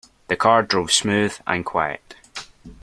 The car drove smooth and quiet.